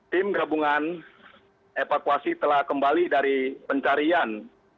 tim gabungan evakuasi telah kembali dari pencarian